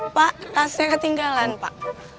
pak tasnya ketinggalan pak